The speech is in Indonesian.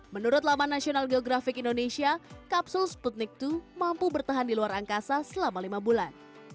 menurut laman nasional geografik indonesia kapsul sputnik dua mampu bertahan di luar angkasa selama lima bulan